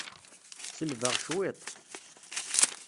Selbeɣ cwiṭ.